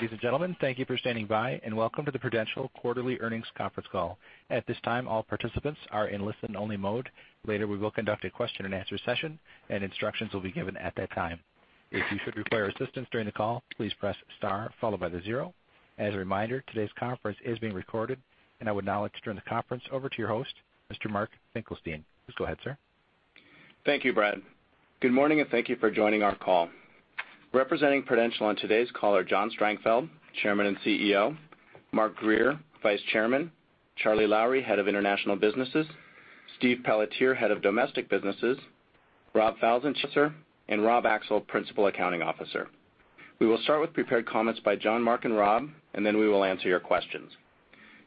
Ladies and gentlemen, thank you for standing by, and welcome to the Prudential quarterly earnings conference call. At this time, all participants are in listen-only mode. Later, we will conduct a question-and-answer session, and instructions will be given at that time. If you should require assistance during the call, please press star followed by the zero. As a reminder, today's conference is being recorded. I would now like to turn the conference over to your host, Mr. Mark Finkelstein. Please go ahead, sir. Thank you, Brad. Good morning, thank you for joining our call. Representing Prudential on today's call are John Strangfeld, Chairman and CEO; Mark Grier, Vice Chairman; Charlie Lowrey, Head of International Businesses; Steve Pelletier, Head of Domestic Businesses; Rob Falzon, Treasurer; Rob Axel, Principal Accounting Officer. We will start with prepared comments by John, Mark, and Rob, then we will answer your questions.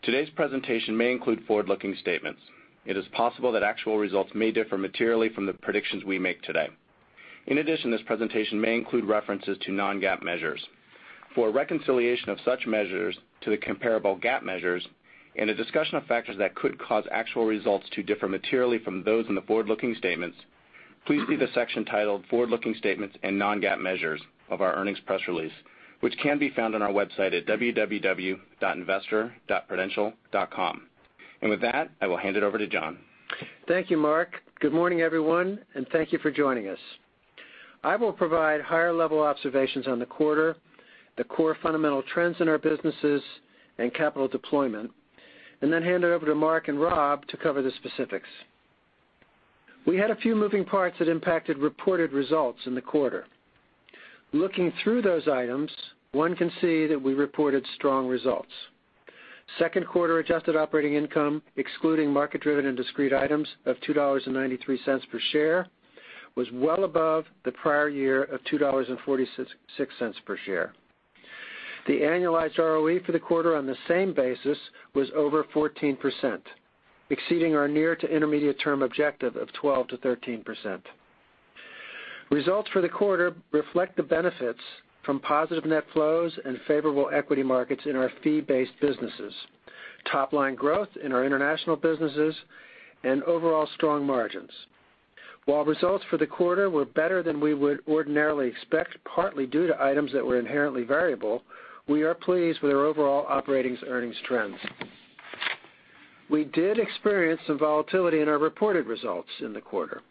Today's presentation may include forward-looking statements. It is possible that actual results may differ materially from the predictions we make today. In addition, this presentation may include references to non-GAAP measures. For a reconciliation of such measures to the comparable GAAP measures and a discussion of factors that could cause actual results to differ materially from those in the forward-looking statements, please see the section titled "Forward-Looking Statements and Non-GAAP Measures" of our earnings press release, which can be found on our website at www.investor.prudential.com. With that, I will hand it over to John. Thank you, Mark. Good morning, everyone, thank you for joining us. I will provide higher-level observations on the quarter, the core fundamental trends in our businesses, capital deployment, then hand it over to Mark and Rob to cover the specifics. We had a few moving parts that impacted reported results in the quarter. Looking through those items, one can see that we reported strong results. Second quarter adjusted operating income, excluding market-driven and discrete items of $2.93 per share, was well above the prior year of $2.46 per share. The annualized ROE for the quarter on the same basis was over 14%, exceeding our near to intermediate-term objective of 12%-13%. Results for the quarter reflect the benefits from positive net flows and favorable equity markets in our fee-based businesses, top-line growth in our international businesses, and overall strong margins. While results for the quarter were better than we would ordinarily expect, partly due to items that were inherently variable, we are pleased with our overall operating earnings trends. We did experience some volatility in our reported results in the quarter.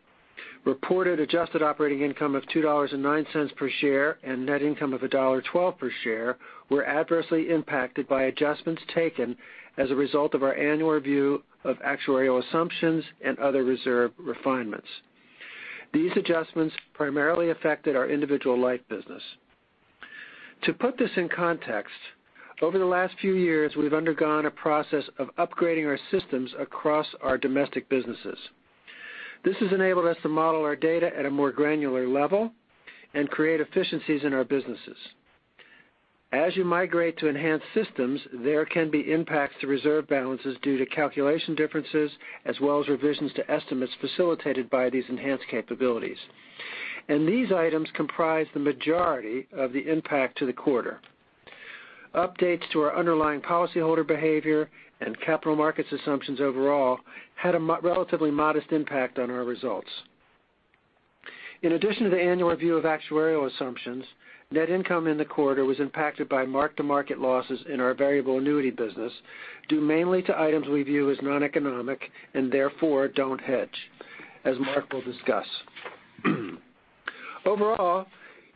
Reported adjusted operating income of $2.09 per share and net income of $1.12 per share were adversely impacted by adjustments taken as a result of our annual review of actuarial assumptions and other reserve refinements. These adjustments primarily affected our Individual Life business. To put this in context, over the last few years, we've undergone a process of upgrading our systems across our domestic businesses. This has enabled us to model our data at a more granular level and create efficiencies in our businesses. As you migrate to enhanced systems, there can be impacts to reserve balances due to calculation differences as well as revisions to estimates facilitated by these enhanced capabilities. These items comprise the majority of the impact to the quarter. Updates to our underlying policyholder behavior and capital markets assumptions overall had a relatively modest impact on our results. In addition to the annual review of actuarial assumptions, net income in the quarter was impacted by mark-to-market losses in our variable annuity business due mainly to items we view as non-economic and therefore don't hedge, as Mark will discuss. Overall,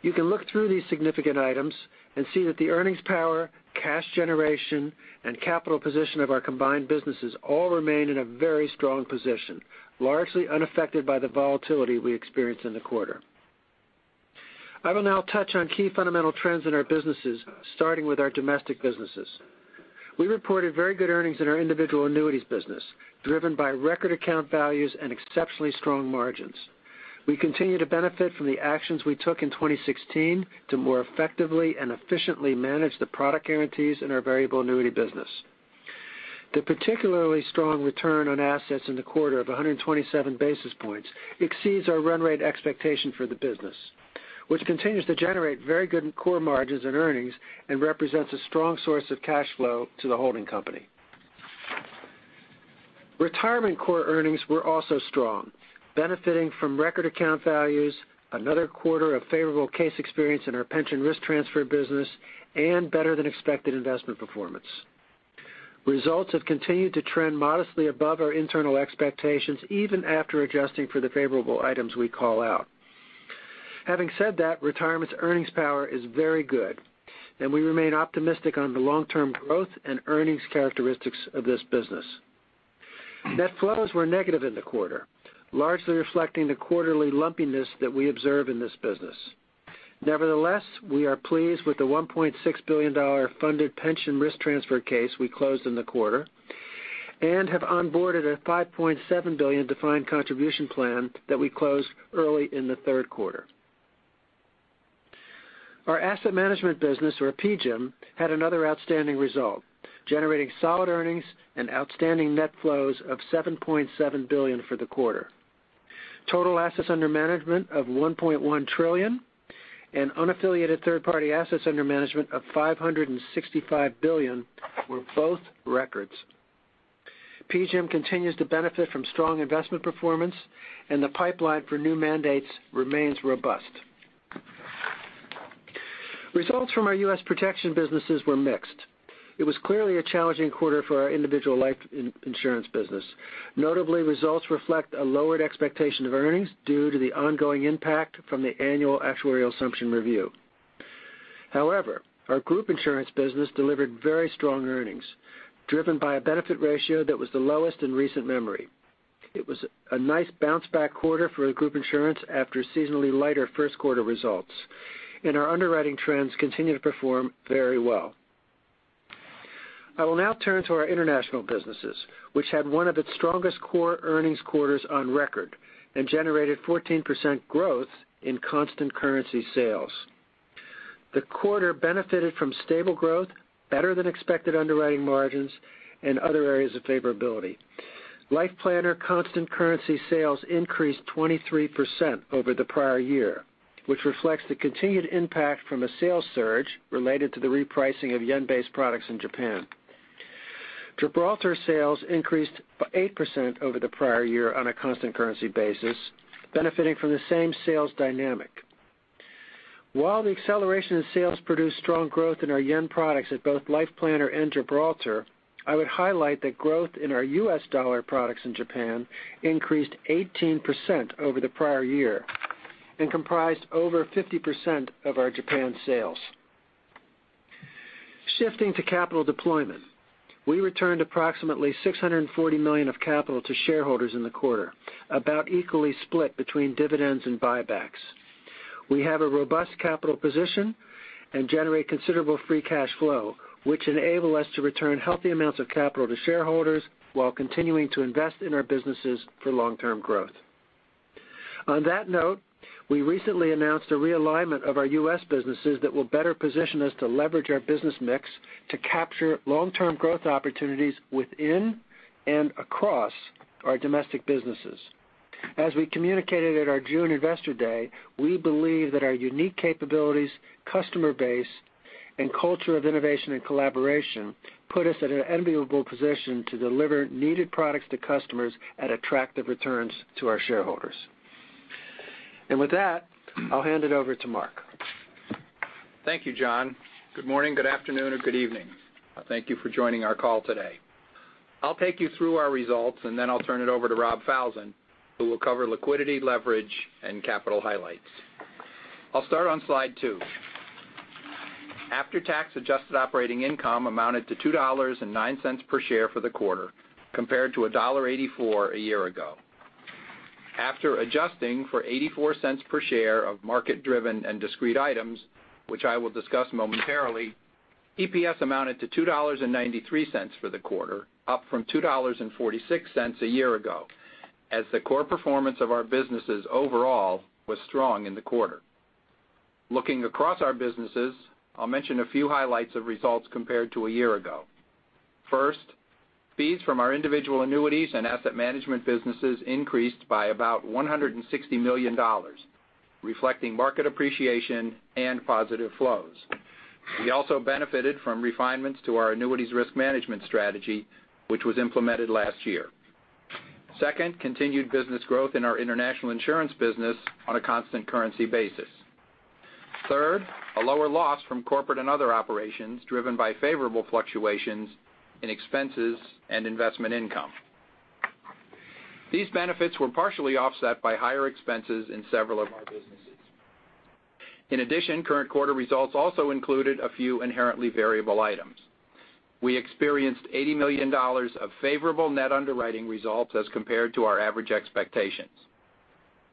you can look through these significant items and see that the earnings power, cash generation, and capital position of our combined businesses all remain in a very strong position, largely unaffected by the volatility we experienced in the quarter. I will now touch on key fundamental trends in our businesses, starting with our domestic businesses. We reported very good earnings in our Individual Annuities business, driven by record account values and exceptionally strong margins. We continue to benefit from the actions we took in 2016 to more effectively and efficiently manage the product guarantees in our variable annuity business. The particularly strong return on assets in the quarter of 127 basis points exceeds our run rate expectation for the business, which continues to generate very good core margins and earnings and represents a strong source of cash flow to the holding company. Retirement core earnings were also strong, benefiting from record account values, another quarter of favorable case experience in our Pension Risk Transfer business, and better-than-expected investment performance. Results have continued to trend modestly above our internal expectations, even after adjusting for the favorable items we call out. Having said that, Retirement's earnings power is very good, and we remain optimistic on the long-term growth and earnings characteristics of this business. Net flows were negative in the quarter, largely reflecting the quarterly lumpiness that we observe in this business. Nevertheless, we are pleased with the $1.6 billion funded Pension Risk Transfer case we closed in the quarter and have onboarded a $5.7 billion defined contribution plan that we closed early in the third quarter. Our asset management business, or PGIM, had another outstanding result, generating solid earnings and outstanding net flows of $7.7 billion for the quarter. Total assets under management of $1.1 trillion and unaffiliated third-party assets under management of $565 billion were both records. PGIM continues to benefit from strong investment performance, and the pipeline for new mandates remains robust. Results from our U.S. protection businesses were mixed. It was clearly a challenging quarter for our Individual Life insurance business. Notably, results reflect a lowered expectation of earnings due to the ongoing impact from the annual actuarial assumption review. However, our Group Insurance business delivered very strong earnings, driven by a benefit ratio that was the lowest in recent memory. It was a nice bounce back quarter for Group Insurance after seasonally lighter first quarter results, and our underwriting trends continue to perform very well. I will now turn to our international businesses, which had one of its strongest core earnings quarters on record and generated 14% growth in constant currency sales. The quarter benefited from stable growth, better than expected underwriting margins, and other areas of favorability. Life Planner constant currency sales increased 23% over the prior year, which reflects the continued impact from a sales surge related to the repricing of yen-based products in Japan. Gibraltar sales increased 8% over the prior year on a constant currency basis, benefiting from the same sales dynamic. The acceleration in sales produced strong growth in our yen products at both Life Planner and Gibraltar, I would highlight that growth in our U.S. dollar products in Japan increased 18% over the prior year and comprised over 50% of our Japan sales. Shifting to capital deployment. We returned approximately $640 million of capital to shareholders in the quarter, about equally split between dividends and buybacks. We have a robust capital position and generate considerable free cash flow, which enable us to return healthy amounts of capital to shareholders while continuing to invest in our businesses for long-term growth. On that note, we recently announced a realignment of our U.S. businesses that will better position us to leverage our business mix to capture long-term growth opportunities within and across our domestic businesses. As we communicated at our June Investor Day, we believe that our unique capabilities, customer base, and culture of innovation and collaboration put us at an enviable position to deliver needed products to customers at attractive returns to our shareholders. With that, I'll hand it over to Mark. Thank you, John. Good morning, good afternoon, or good evening. Thank you for joining our call today. I'll take you through our results, then I'll turn it over to Rob Falzon, who will cover liquidity, leverage, and capital highlights. I'll start on slide two. After-tax adjusted operating income amounted to $2.09 per share for the quarter, compared to $1.84 a year ago. After adjusting for $0.84 per share of market-driven and discrete items, which I will discuss momentarily, EPS amounted to $2.93 for the quarter, up from $2.46 a year ago as the core performance of our businesses overall was strong in the quarter. Looking across our businesses, I'll mention a few highlights of results compared to a year ago. First, fees from our Individual Annuities and asset management businesses increased by about $160 million, reflecting market appreciation and positive flows. We also benefited from refinements to our annuities risk management strategy, which was implemented last year. Second, continued business growth in our international insurance business on a constant currency basis. Third, a lower loss from corporate and other operations, driven by favorable fluctuations in expenses and investment income. These benefits were partially offset by higher expenses in several of our businesses. In addition, current quarter results also included a few inherently variable items. We experienced $80 million of favorable net underwriting results as compared to our average expectations.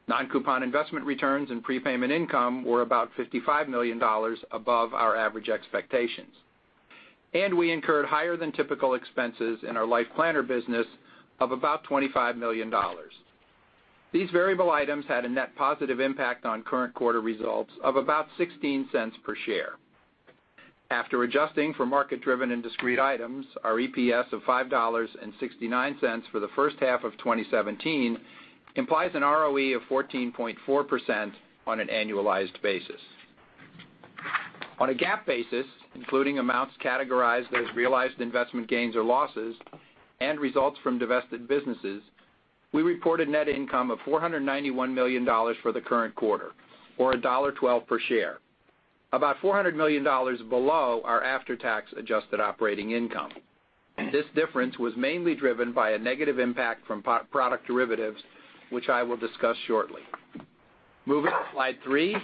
Non-coupon investment returns and prepayment income were about $55 million above our average expectations, and we incurred higher than typical expenses in our Life Planner business of about $25 million. These variable items had a net positive impact on current quarter results of about $0.16 per share. After adjusting for market-driven and discrete items, our EPS of $5.69 for the first half of 2017 implies an ROE of 14.4% on an annualized basis. On a GAAP basis, including amounts categorized as realized investment gains or losses and results from divested businesses, we reported net income of $491 million for the current quarter, or $1.12 per share, about $400 million below our after-tax adjusted operating income. This difference was mainly driven by a negative impact from product derivatives, which I will discuss shortly. Moving to slide three.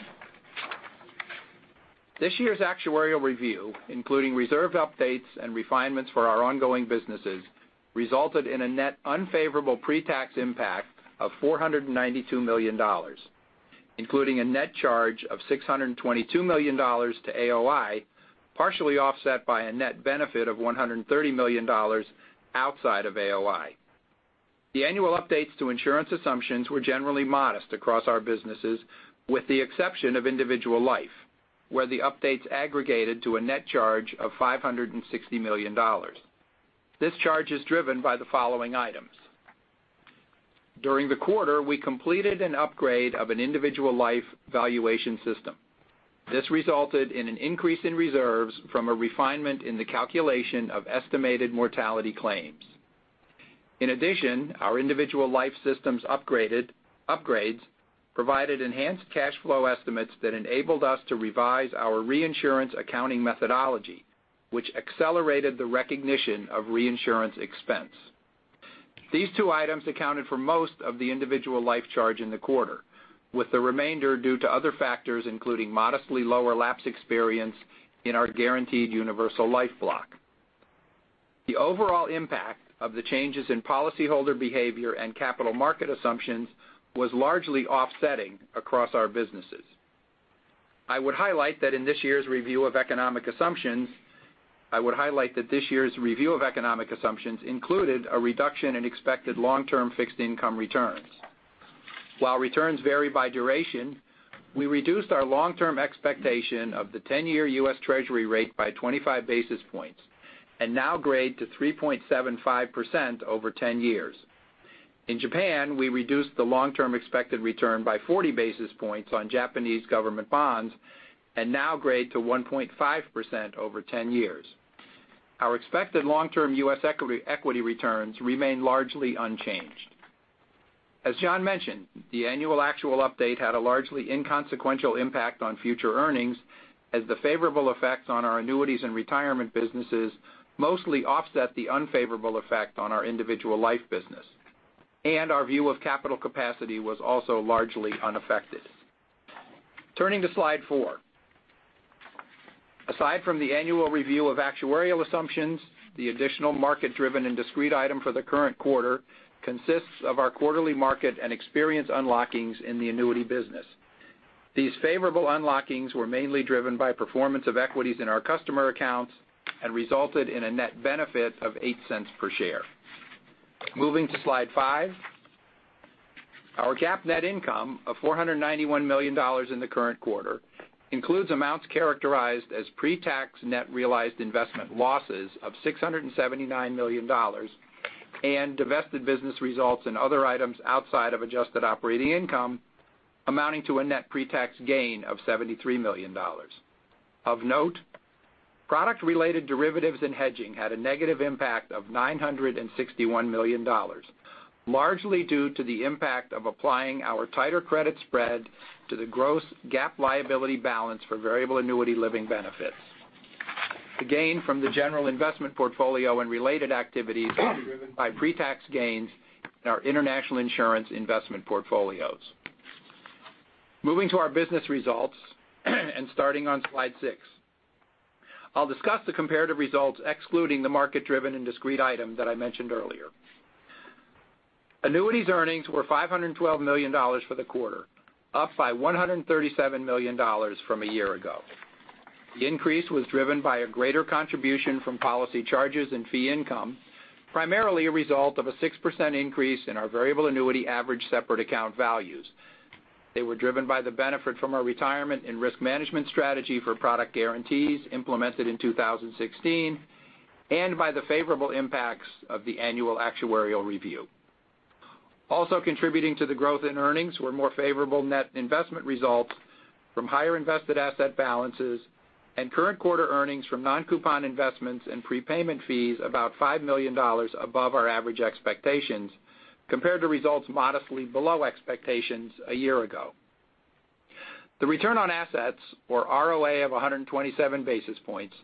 This year's actuarial review, including reserve updates and refinements for our ongoing businesses, resulted in a net unfavorable pre-tax impact of $492 million, including a net charge of $622 million to AOI, partially offset by a net benefit of $130 million outside of AOI. The annual updates to insurance assumptions were generally modest across our businesses, with the exception of Individual Life, where the updates aggregated to a net charge of $560 million. This charge is driven by the following items. During the quarter, we completed an upgrade of an Individual Life valuation system. This resulted in an increase in reserves from a refinement in the calculation of estimated mortality claims. In addition, our Individual Life systems upgrades provided enhanced cash flow estimates that enabled us to revise our reinsurance accounting methodology, which accelerated the recognition of reinsurance expense. These two items accounted for most of the Individual Life charge in the quarter, with the remainder due to other factors, including modestly lower lapse experience in our guaranteed universal life block. The overall impact of the changes in policyholder behavior and capital market assumptions was largely offsetting across our businesses. I would highlight that in this year's review of economic assumptions included a reduction in expected long-term fixed income returns. While returns vary by duration, we reduced our long-term expectation of the 10-year U.S. Treasury rate by 25 basis points, and now grade to 3.75% over 10 years. In Japan, we reduced the long-term expected return by 40 basis points on Japanese government bonds, and now grade to 1.5% over 10 years. Our expected long-term U.S. equity returns remain largely unchanged. As John mentioned, the annual actual update had a largely inconsequential impact on future earnings, as the favorable effects on our annuities and retirement businesses mostly offset the unfavorable effect on our Individual Life business. Our view of capital capacity was also largely unaffected. Turning to slide four. Aside from the annual review of actuarial assumptions, the additional market-driven and discrete item for the current quarter consists of our quarterly market and experience unlockings in the annuity business. These favorable unlockings were mainly driven by performance of equities in our customer accounts, and resulted in a net benefit of $0.08 per share. Moving to slide five. Our GAAP net income of $491 million in the current quarter includes amounts characterized as pretax net realized investment losses of $679 million, and divested business results in other items outside of adjusted operating income amounting to a net pretax gain of $73 million. Of note, product-related derivatives and hedging had a negative impact of $961 million, largely due to the impact of applying our tighter credit spread to the gross GAAP liability balance for variable annuity living benefits. The gain from the general investment portfolio and related activities were driven by pretax gains in our international insurance investment portfolios. Moving to our business results, and starting on slide six. I'll discuss the comparative results excluding the market-driven and discrete item that I mentioned earlier. Annuities earnings were $512 million for the quarter, up by $137 million from a year ago. The increase was driven by a greater contribution from policy charges and fee income, primarily a result of a 6% increase in our variable annuity average separate account values. They were driven by the benefit from our retirement and risk management strategy for product guarantees implemented in 2016, and by the favorable impacts of the annual actuarial review. Also contributing to the growth in earnings were more favorable net investment results from higher invested asset balances, and current quarter earnings from non-coupon investments and prepayment fees about $5 million above our average expectations, compared to results modestly below expectations a year ago. The return on assets, or ROA, of 127 basis points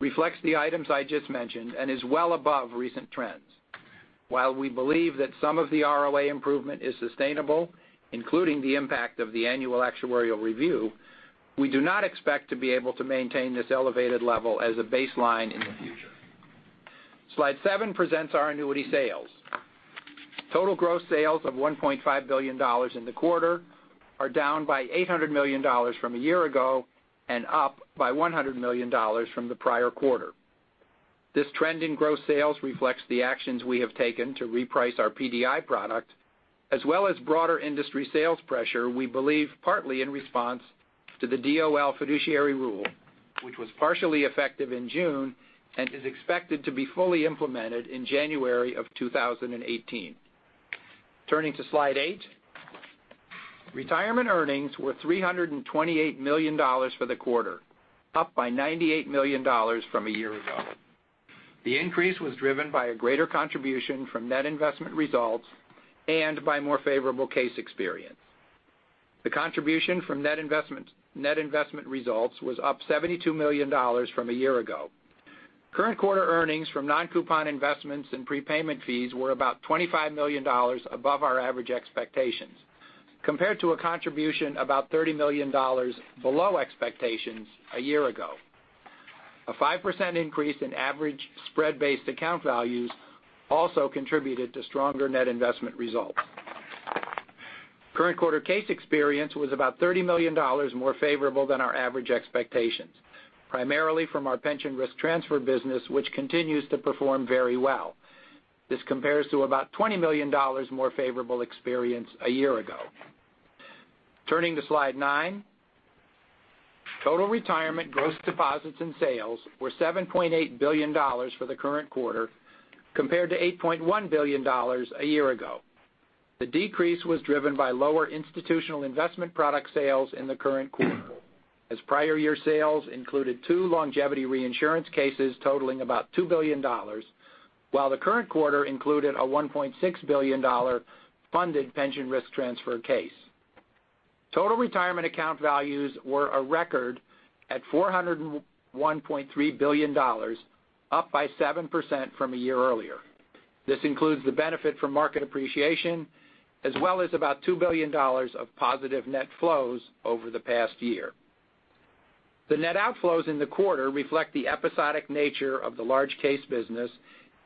reflects the items I just mentioned and is well above recent trends. While we believe that some of the ROA improvement is sustainable, including the impact of the annual actuarial review, we do not expect to be able to maintain this elevated level as a baseline in the future. Slide seven presents our annuity sales. Total gross sales of $1.5 billion in the quarter are down by $800 million from a year ago and up by $100 million from the prior quarter. This trend in gross sales reflects the actions we have taken to reprice our PDI product, as well as broader industry sales pressure, we believe, partly in response to the DOL Fiduciary Rule, which was partially effective in June and is expected to be fully implemented in January of 2018. Turning to slide eight. Retirement earnings were $328 million for the quarter, up by $98 million from a year ago. The increase was driven by a greater contribution from net investment results and by more favorable case experience. The contribution from net investment results was up $72 million from a year ago. Current quarter earnings from non-coupon investments and prepayment fees were about $25 million above our average expectations, compared to a contribution about $30 million below expectations a year ago. A 5% increase in average spread-based account values also contributed to stronger net investment results. Current quarter case experience was about $30 million more favorable than our average expectations, primarily from our Pension Risk Transfer business, which continues to perform very well. This compares to about $20 million more favorable experience a year ago. Turning to slide 9, total retirement gross deposits and sales were $7.8 billion for the current quarter, compared to $8.1 billion a year ago. The decrease was driven by lower institutional investment product sales in the current quarter, as prior year sales included two Longevity Reinsurance cases totaling about $2 billion, while the current quarter included a $1.6 billion funded Pension Risk Transfer case. Total retirement account values were a record at $401.3 billion, up by 7% from a year earlier. This includes the benefit from market appreciation, as well as about $2 billion of positive net flows over the past year. The net outflows in the quarter reflect the episodic nature of the large case business,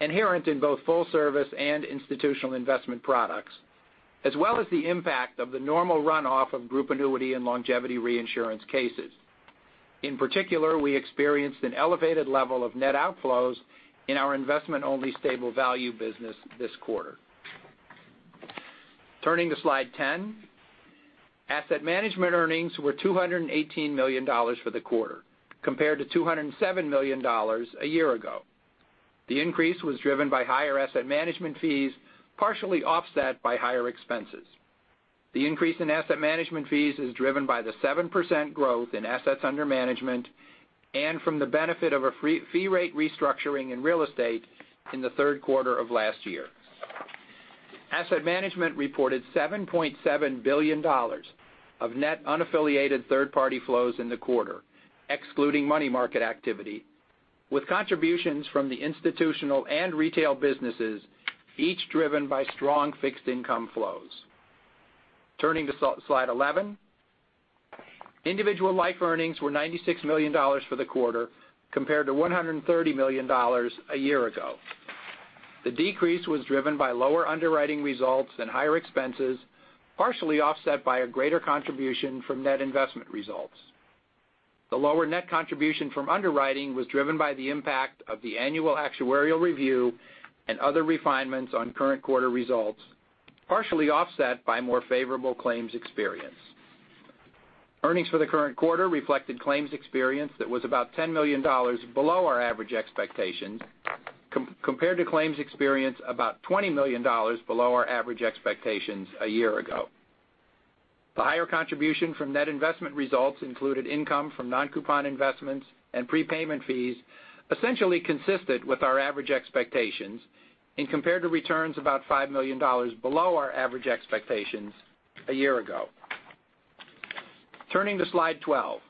inherent in both full service and institutional investment products, as well as the impact of the normal runoff of group annuity and Longevity Reinsurance cases. In particular, we experienced an elevated level of net outflows in our investment-only stable value business this quarter. Turning to slide 10. Asset management earnings were $218 million for the quarter, compared to $207 million a year ago. The increase was driven by higher asset management fees, partially offset by higher expenses. The increase in asset management fees is driven by the 7% growth in assets under management, and from the benefit of a fee rate restructuring in real estate in the third quarter of last year. Asset management reported $7.7 billion of net unaffiliated third-party flows in the quarter, excluding money market activity, with contributions from the institutional and retail businesses, each driven by strong fixed income flows. Turning to slide 11. Individual Life earnings were $96 million for the quarter, compared to $130 million a year ago. The decrease was driven by lower underwriting results and higher expenses, partially offset by a greater contribution from net investment results. The lower net contribution from underwriting was driven by the impact of the annual actuarial review and other refinements on current quarter results, partially offset by more favorable claims experience. Earnings for the current quarter reflected claims experience that was about $10 million below our average expectations, compared to claims experience about $20 million below our average expectations a year ago. The higher contribution from net investment results included income from non-coupon investments and prepayment fees, essentially consistent with our average expectations, and compared to returns about $5 million below our average expectations a year ago. Turning to slide 12.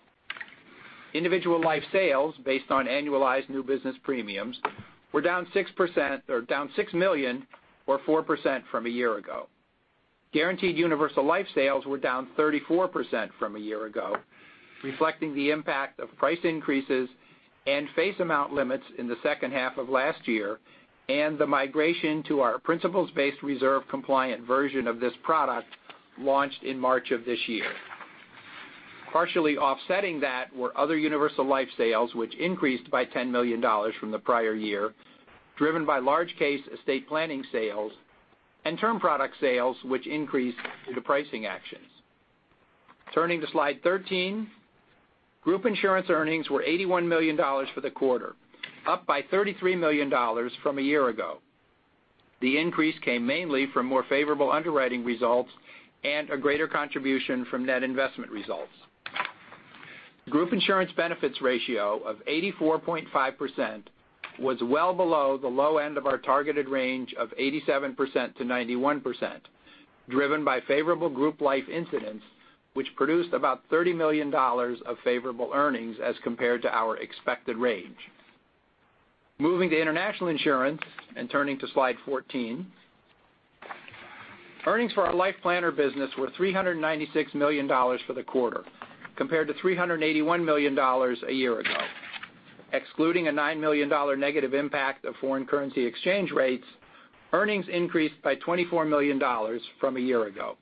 Individual Life sales, based on annualized new business premiums, were down $6 million, or 4%, from a year ago. Guaranteed universal life sales were down 34% from a year ago, reflecting the impact of price increases and face amount limits in the second half of last year, and the migration to our Principles-Based Reserving compliant version of this product, launched in March of this year. Partially offsetting that were other universal life sales, which increased by $10 million from the prior year, driven by large case estate planning sales and term product sales, which increased due to pricing actions. Turning to slide 13. Group Insurance earnings were $81 million for the quarter, up by $33 million from a year ago. The increase came mainly from more favorable underwriting results and a greater contribution from net investment results. Group Insurance benefits ratio of 84.5% was well below the low end of our targeted range of 87%-91%, driven by favorable Group Life incidents, which produced about $30 million of favorable earnings as compared to our expected range. Moving to international insurance and turning to slide 14. Earnings for our Life Planner business were $396 million for the quarter, compared to $381 million a year ago. Excluding a $9 million negative impact of foreign currency exchange rates, earnings increased by $24 million from a year ago.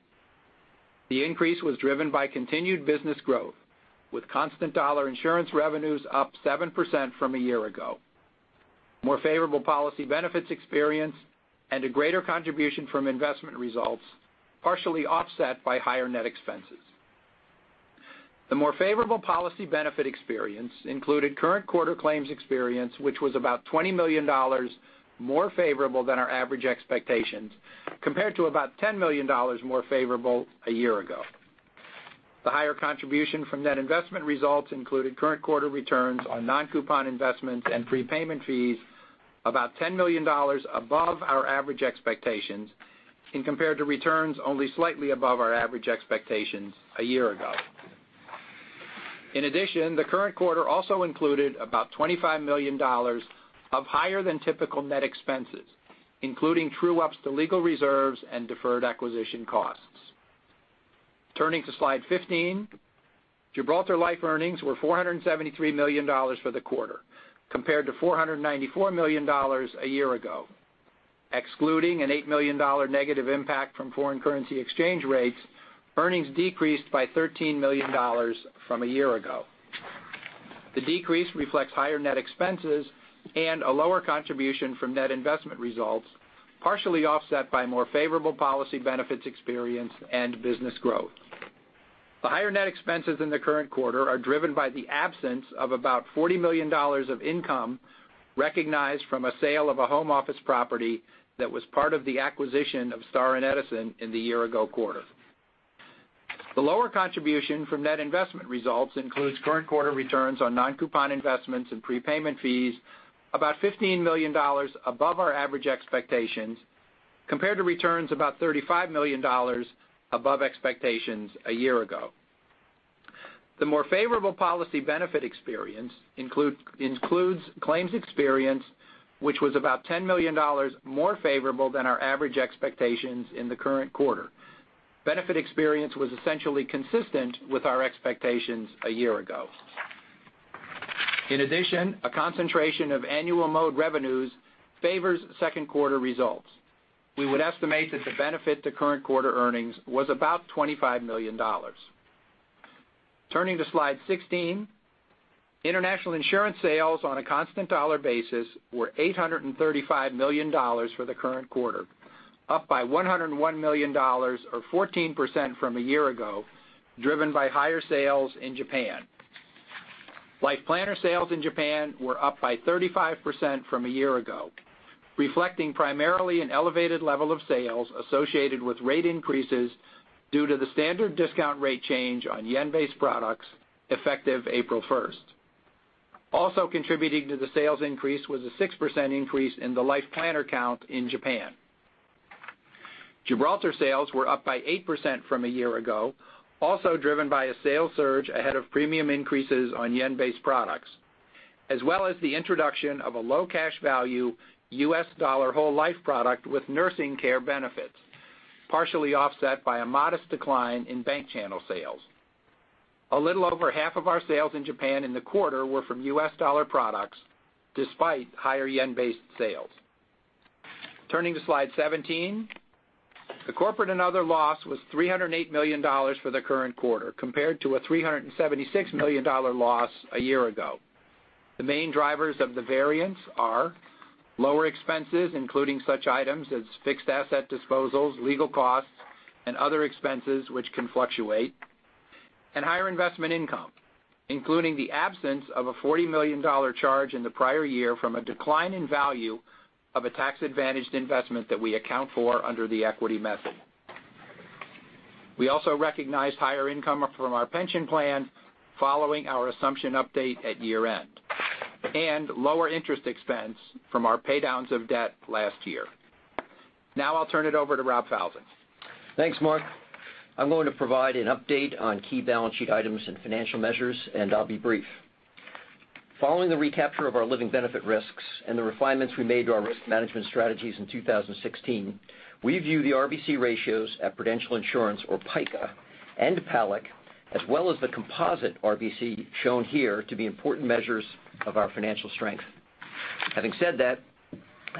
The increase was driven by continued business growth, with constant dollar insurance revenues up 7% from a year ago, more favorable policy benefits experience, and a greater contribution from investment results, partially offset by higher net expenses. The more favorable policy benefit experience included current quarter claims experience, which was about $20 million more favorable than our average expectations, compared to about $10 million more favorable a year ago. The higher contribution from net investment results included current quarter returns on non-coupon investments and prepayment fees about $10 million above our average expectations, compared to returns only slightly above our average expectations a year ago. In addition, the current quarter also included about $25 million of higher than typical net expenses, including true-ups to legal reserves and deferred acquisition costs. Turning to slide 15. Gibraltar Life earnings were $473 million for the quarter, compared to $494 million a year ago. Excluding an $8 million negative impact from foreign currency exchange rates, earnings decreased by $13 million from a year ago. The decrease reflects higher net expenses and a lower contribution from net investment results, partially offset by more favorable policy benefits experience and business growth. The higher net expenses in the current quarter are driven by the absence of about $40 million of income recognized from a sale of a home office property that was part of the acquisition of Star and Edison in the year ago quarter. The lower contribution from net investment results includes current quarter returns on non-coupon investments and prepayment fees about $15 million above our average expectations, compared to returns about $35 million above expectations a year ago. The more favorable policy benefit experience includes claims experience, which was about $10 million more favorable than our average expectations in the current quarter. Benefit experience was essentially consistent with our expectations a year ago. In addition, a concentration of annual mode revenues favors second quarter results. We would estimate that the benefit to current quarter earnings was about $25 million. Turning to slide 16, international insurance sales on a constant dollar basis were $835 million for the current quarter, up by $101 million or 14% from a year ago, driven by higher sales in Japan. Life Planner sales in Japan were up by 35% from a year ago, reflecting primarily an elevated level of sales associated with rate increases due to the standard discount rate change on yen-based products effective April 1st. Also contributing to the sales increase was a 6% increase in the Life Planner count in Japan. Gibraltar sales were up by 8% from a year ago, also driven by a sales surge ahead of premium increases on yen-based products, as well as the introduction of a low cash value U.S. dollar whole life product with nursing care benefits, partially offset by a modest decline in bank channel sales. A little over half of our sales in Japan in the quarter were from U.S. dollar products despite higher yen-based sales. Turning to slide 17, the corporate and other loss was $308 million for the current quarter compared to a $376 million loss a year ago. The main drivers of the variance are lower expenses, including such items as fixed asset disposals, legal costs, and other expenses which can fluctuate, and higher investment income, including the absence of a $40 million charge in the prior year from a decline in value of a tax-advantaged investment that we account for under the equity method. We also recognized higher income from our pension plan following our assumption update at year-end, and lower interest expense from our paydowns of debt last year. Now I'll turn it over to Rob Falzon. Thanks, Mark. I'm going to provide an update on key balance sheet items and financial measures, and I'll be brief. Following the recapture of our living benefit risks and the refinements we made to our risk management strategies in 2016, we view the RBC ratios at Prudential Insurance or PICA and PALIC, as well as the composite RBC shown here to be important measures of our financial strength. Having said that,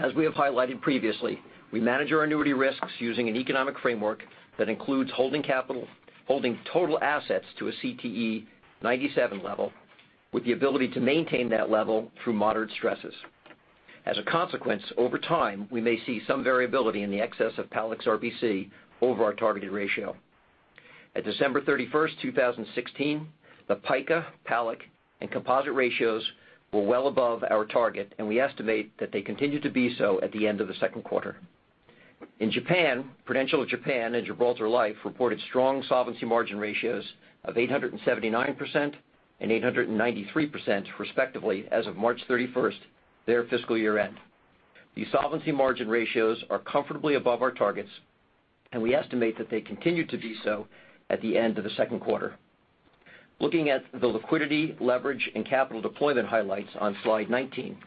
as we have highlighted previously, we manage our annuity risks using an economic framework that includes holding total assets to a CTE 97 level with the ability to maintain that level through moderate stresses. As a consequence, over time, we may see some variability in the excess of PALIC's RBC over our targeted ratio. At December 31st, 2016, the PICA, PALIC, and composite ratios were well above our target, and we estimate that they continued to be so at the end of the second quarter. In Japan, Prudential Japan and Gibraltar Life reported strong solvency margin ratios of 879% and 893% respectively as of March 31st, their fiscal year-end. The solvency margin ratios are comfortably above our targets, and we estimate that they continued to be so at the end of the second quarter. Looking at the liquidity, leverage, and capital deployment highlights on slide 19.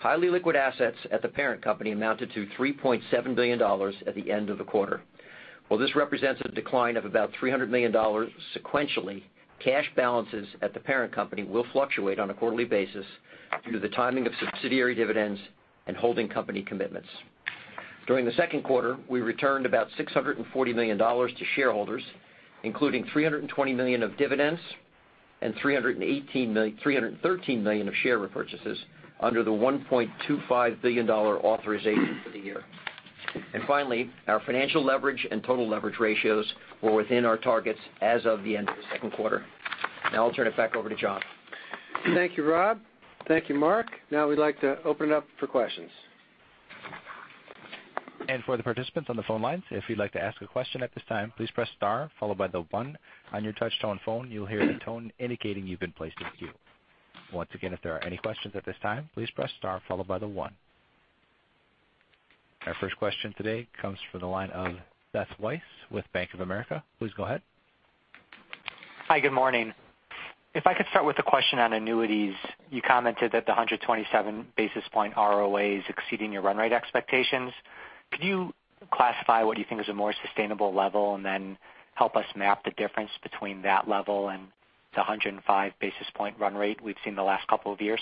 Highly liquid assets at the parent company amounted to $3.7 billion at the end of the quarter. While this represents a decline of about $300 million sequentially, cash balances at the parent company will fluctuate on a quarterly basis due to the timing of subsidiary dividends and holding company commitments. During the second quarter, we returned about $640 million to shareholders, including $320 million of dividends and $313 million of share repurchases under the $1.25 billion authorization for the year. Finally, our financial leverage and total leverage ratios were within our targets as of the end of the second quarter. Now I'll turn it back over to John. Thank you, Rob. Thank you, Mark. Now we'd like to open it up for questions. For the participants on the phone lines, if you'd like to ask a question at this time, please press star followed by the one on your touchtone phone. You'll hear a tone indicating you've been placed in queue. Once again, if there are any questions at this time, please press star followed by the one. Our first question today comes from the line of Seth Weiss with Bank of America. Please go ahead. Hi. Good morning. If I could start with a question on annuities. You commented that the 127 basis point ROA is exceeding your run rate expectations. Could you classify what you think is a more sustainable level and then help us map the difference between that level and the 105 basis point run rate we've seen the last couple of years?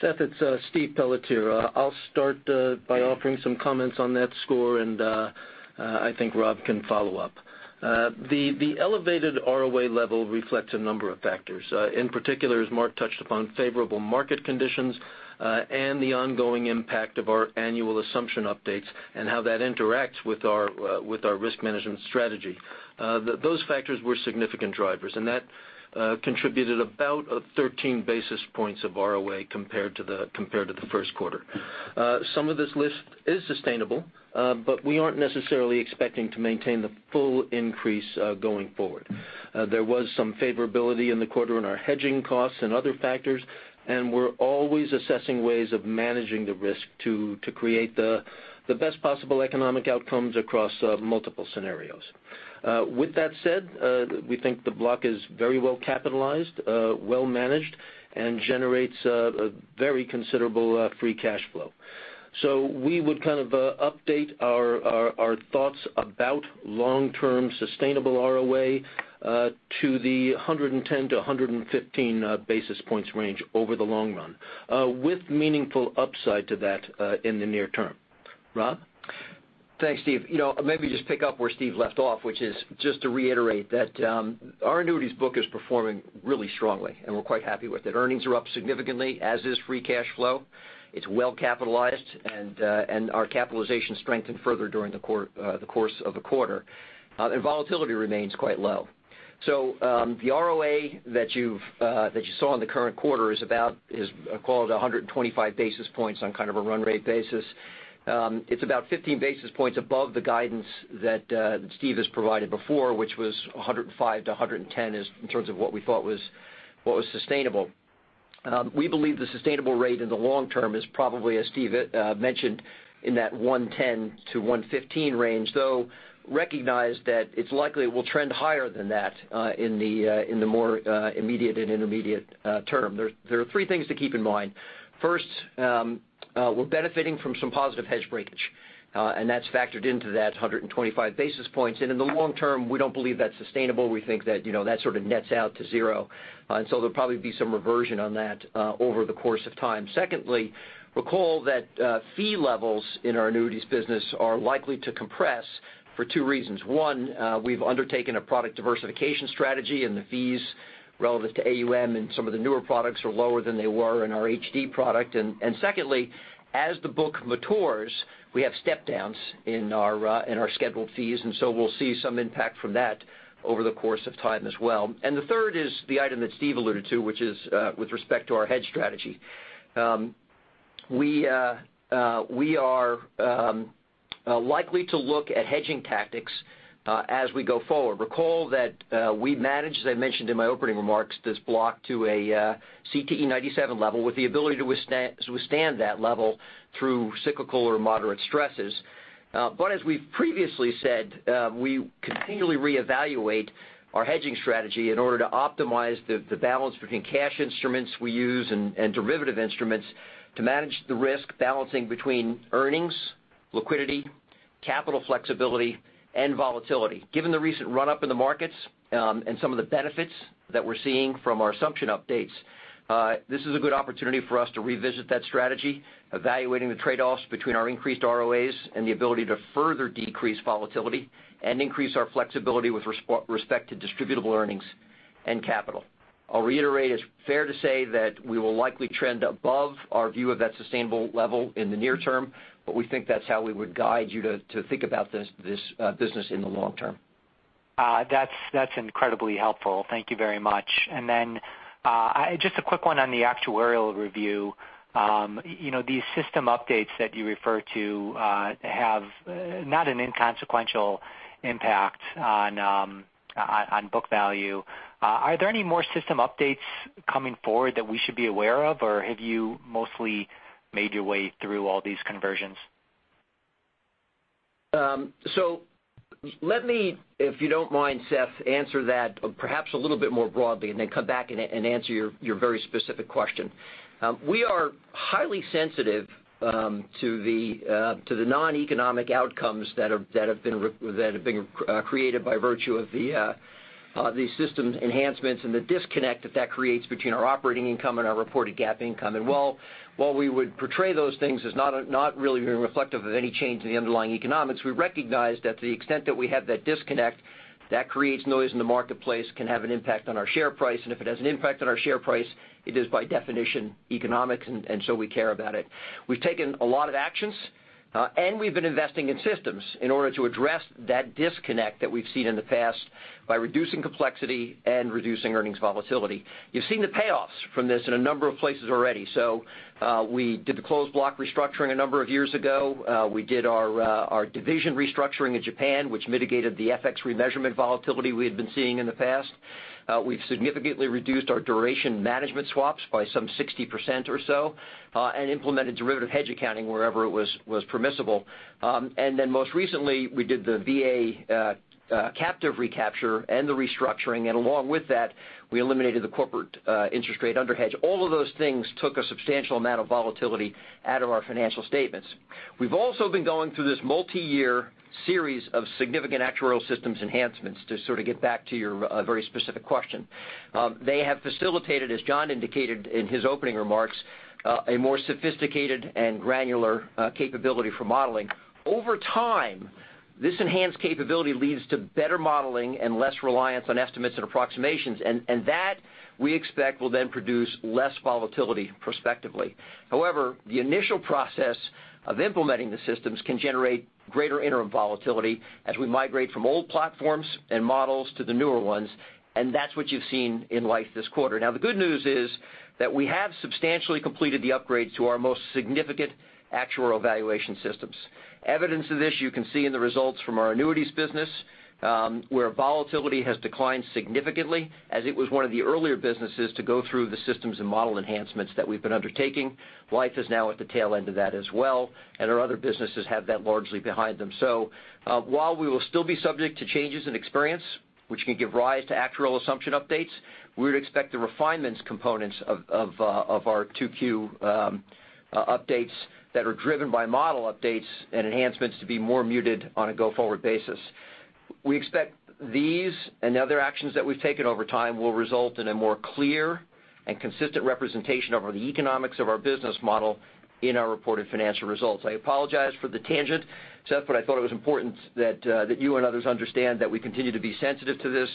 Seth, it's Steve Pelletier. I'll start by offering some comments on that score, and I think Rob can follow up. The elevated ROA level reflects a number of factors. In particular, as Mark touched upon, favorable market conditions, and the ongoing impact of our annual assumption updates and how that interacts with our risk management strategy. Those factors were significant drivers, and that contributed about 13 basis points of ROA compared to the first quarter. Some of this lift is sustainable, but we aren't necessarily expecting to maintain the full increase going forward. There was some favorability in the quarter on our hedging costs and other factors, we're always assessing ways of managing the risk to create the best possible economic outcomes across multiple scenarios. With that said, we think the block is very well capitalized, well managed, and generates a very considerable free cash flow. We would update our thoughts about long-term sustainable ROA to the 110-115 basis points range over the long run, with meaningful upside to that in the near term. Rob? Thanks, Steve. I'll maybe just pick up where Steve left off, which is just to reiterate that our annuities book is performing really strongly, and we're quite happy with it. Earnings are up significantly, as is free cash flow. It's well capitalized, our capitalization strengthened further during the course of the quarter. Volatility remains quite low. The ROA that you saw in the current quarter is called 125 basis points on kind of a run rate basis. It's about 15 basis points above the guidance that Steve has provided before, which was 105-110 in terms of what we thought was sustainable. We believe the sustainable rate in the long term is probably, as Steve mentioned, in that 110-115 range, though recognize that it likely will trend higher than that in the more immediate and intermediate term. There are three things to keep in mind. First, we're benefiting from some positive hedge breakage, and that's factored into that 125 basis points. In the long term, we don't believe that's sustainable. We think that sort of nets out to zero, there'll probably be some reversion on that over the course of time. Secondly, recall that fee levels in our annuities business are likely to compress for two reasons. One, we've undertaken a product diversification strategy, the fees relevant to AUM in some of the newer products are lower than they were in our HDI product. Secondly, as the book matures, we have step downs in our scheduled fees, we'll see some impact from that over the course of time as well. The third is the item that Steve alluded to, which is with respect to our hedge strategy. We are likely to look at hedging tactics as we go forward. Recall that we managed, as I mentioned in my opening remarks, this block to a CTE 97 level with the ability to withstand that level through cyclical or moderate stresses. As we've previously said, we continually reevaluate our hedging strategy in order to optimize the balance between cash instruments we use and derivative instruments to manage the risk balancing between earnings, liquidity, capital flexibility, and volatility. Given the recent run-up in the markets and some of the benefits that we're seeing from our assumption updates, this is a good opportunity for us to revisit that strategy, evaluating the trade-offs between our increased ROAs and the ability to further decrease volatility and increase our flexibility with respect to distributable earnings and capital. I'll reiterate, it's fair to say that we will likely trend above our view of that sustainable level in the near term, but we think that's how we would guide you to think about this business in the long term. That's incredibly helpful. Thank you very much. Then just a quick one on the actuarial review. These system updates that you refer to have not an inconsequential impact on book value. Are there any more system updates coming forward that we should be aware of, or have you mostly made your way through all these conversions? Let me, if you don't mind, Seth, answer that perhaps a little bit more broadly and then come back and answer your very specific question. We are highly sensitive to the non-economic outcomes that have been created by virtue of the systems enhancements and the disconnect that that creates between our operating income and our reported GAAP income. While we would portray those things as not really being reflective of any change in the underlying economics, we recognize that to the extent that we have that disconnect, that creates noise in the marketplace, can have an impact on our share price, and if it has an impact on our share price, it is by definition economics, and so we care about it. We've taken a lot of actions, and we've been investing in systems in order to address that disconnect that we've seen in the past by reducing complexity and reducing earnings volatility. You've seen the payoffs from this in a number of places already. We did the closed block restructuring a number of years ago. We did our division restructuring in Japan, which mitigated the FX remeasurement volatility we had been seeing in the past. We've significantly reduced our duration management swaps by some 60% or so and implemented derivative hedge accounting wherever it was permissible. Then most recently, we did the VA captive recapture and the restructuring, and along with that, we eliminated the corporate interest rate underhedge. All of those things took a substantial amount of volatility out of our financial statements. We've also been going through this multi-year series of significant actuarial systems enhancements to sort of get back to your very specific question. They have facilitated, as John indicated in his opening remarks, a more sophisticated and granular capability for modeling. Over time, this enhanced capability leads to better modeling and less reliance on estimates and approximations, and that we expect will then produce less volatility prospectively. However, the initial process of implementing the systems can generate greater interim volatility as we migrate from old platforms and models to the newer ones, and that's what you've seen in life this quarter. The good news is that we have substantially completed the upgrade to our most significant actuarial evaluation systems. Evidence of this you can see in the results from our annuities business, where volatility has declined significantly as it was one of the earlier businesses to go through the systems and model enhancements that we've been undertaking. Life is now at the tail end of that as well, and our other businesses have that largely behind them. While we will still be subject to changes in experience, which can give rise to actuarial assumption updates, we would expect the refinements components of our 2Q updates that are driven by model updates and enhancements to be more muted on a go-forward basis. We expect these and other actions that we've taken over time will result in a more clear and consistent representation over the economics of our business model in our reported financial results. I apologize for the tangent, Seth, I thought it was important that you and others understand that we continue to be sensitive to this,